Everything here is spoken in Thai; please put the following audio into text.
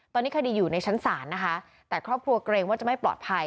ตอนนี้คดีอยู่ในชั้นศาลนะคะแต่ครอบครัวเกรงว่าจะไม่ปลอดภัย